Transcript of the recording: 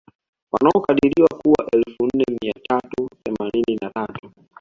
Wanaokadiriwa kuwa elfu nne mia tatu themanini na tatu